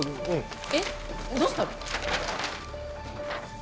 えっどうしたの？